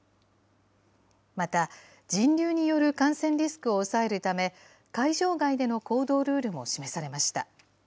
また、人流による感染リスクを抑えるため、会場外での行動ルールも示されました。